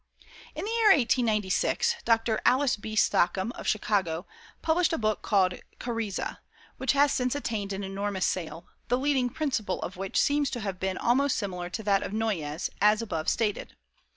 In the year 1896, Dr. Alice B. Stockham, of Chicago, published a book called "Karezza" which has since attained an enormous sale, the leading principle of which seems to have been almost similar to that of Noyes, as above stated.